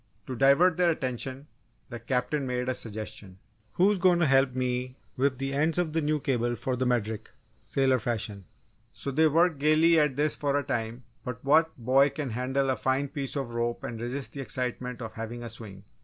To divert their attention, the Captain made a suggestion. "Who's goin' to help me whip the ends of the new cable for the Medric, sailor fashion?" So they worked gaily at this for a time, but what boy can handle a fine piece of rope and resist the excitement of having a swing?